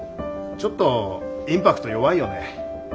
ちょっとインパクト弱いよね。